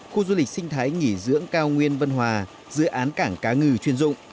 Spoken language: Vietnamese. khu du lịch sinh thái nghỉ dưỡng cao nguyên văn hóa dự án cảng cá ngừ chuyên dụng